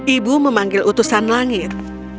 ibu memanggil utusan langit